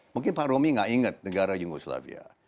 mungkin pak romy tidak ingat negara yugoslavia